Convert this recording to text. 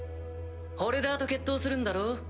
ホルダーと決闘するんだろ？